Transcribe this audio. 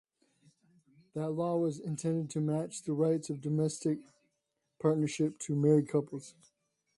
That law was intended to match the rights of domestic partnerships to married couples.